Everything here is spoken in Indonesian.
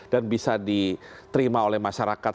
dan bisa diterima oleh masyarakat